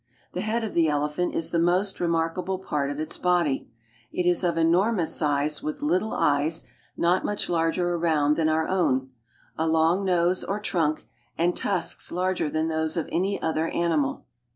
The head of the elephant is the most remarkable part of its body. It is of enormous size, with little eyes, not Lmuch larger around than our own, a long nose or trunk, Ituid tusks larger than those of any other animal.